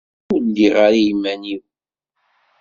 Ur lliɣ ara iman-iw.